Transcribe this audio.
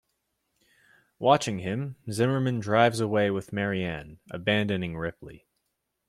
Watching him, Zimmerman drives away with Marianne, abandoning Ripley.